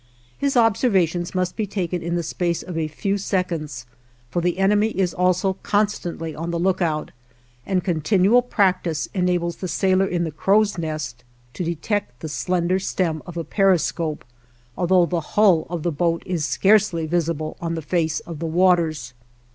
His observations must be taken in the space of a few seconds, for the enemy is also constantly on the lookout, and continual practice enables the sailor in the crow's nest to detect the slender stem of a periscope, although the hull of the boat is scarcely visible on the face of the waters.